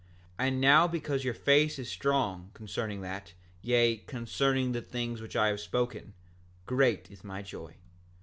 And now because your faith is strong concerning that, yea, concerning the things which I have spoken, great is my joy.